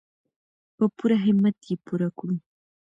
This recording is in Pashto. په پوره همت یې پوره کړو.